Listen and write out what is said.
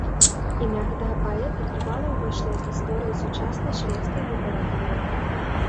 Імя гэтага паэта трывала ўвайшло ў гісторыю сучаснай шведскай літаратуры.